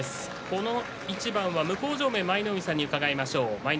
この一番、向正面の舞の海さんに伺います。